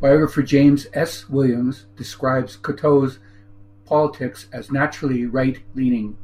Biographer James S. Williams describes Cocteau's politics as naturally Right-leaning.